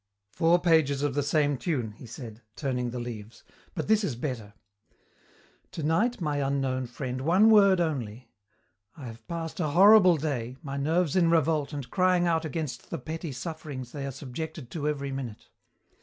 "Four pages of the same tune," he said, turning the leaves, "but this is better: "'Tonight, my unknown friend, one word only. I have passed a horrible day, my nerves in revolt and crying out against the petty sufferings they are subjected to every minute.